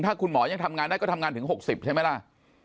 ถ้าคุณหมอยังทำงานได้ก็ทำงานถึง๖๐ใช่ไหมล่ะ